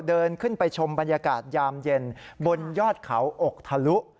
เดินขึ้นไปชมบรรยากาศยามเย็นบนยอดเขาอกทะลุ